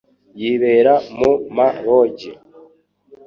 yibera mu ma lodge